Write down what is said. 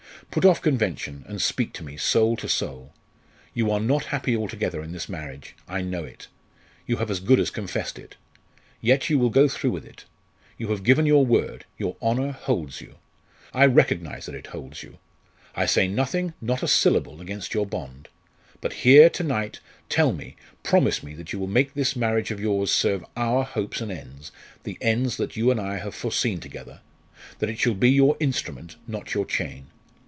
Put off convention, and speak to me, soul to soul! You are not happy altogether in this marriage. I know it. You have as good as confessed it. Yet you will go through with it. You have given your word your honour holds you. I recognise that it holds you. I say nothing, not a syllable, against your bond! But here, to night, tell me, promise me that you will make this marriage of yours serve our hopes and ends, the ends that you and I have foreseen together that it shall be your instrument, not your chain.